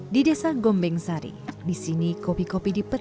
di desa gombengsari di sini kopi kopi dipetik setelah merah